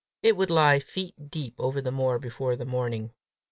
It would lie feet deep over the moor before the morning!